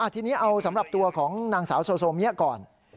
ทีนี้เอาสำหรับตัวของนางสาวโซเมียก่อน